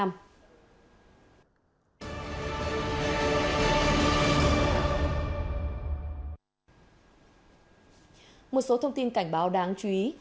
một số thông tin cảnh báo đáng chú ý